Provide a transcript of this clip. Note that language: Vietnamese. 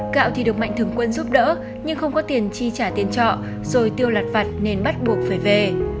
gạo thì được mạnh thường quân giúp đỡ nhưng không có tiền chi trả tiền trọ rồi tiêu lật vặt nên bắt buộc phải về